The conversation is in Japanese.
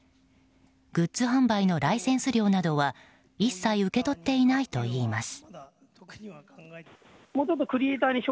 グッズ販売のライセンス料などは一切受け取っていないといいます。